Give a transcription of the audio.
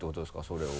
それを。